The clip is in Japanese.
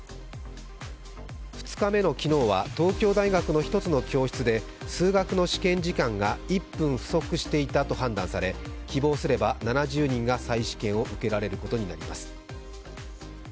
２日目の昨日は東京大学の１つの教室で、数学の試験時間が１分不足していたと判断され希望すれば、７０人が再試験を受けられることになります。